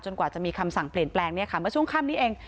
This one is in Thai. กว่าจะมีคำสั่งเปลี่ยนแปลงเนี่ยค่ะเมื่อช่วงค่ำนี้เอง